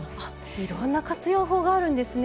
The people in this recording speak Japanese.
いろんな活用法があるんですね。